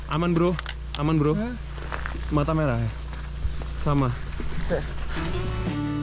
aman bro mas kamu juga mas kameramen